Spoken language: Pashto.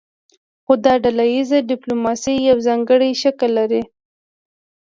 خو دا ډله ایزه ډیپلوماسي یو ځانګړی شکل لري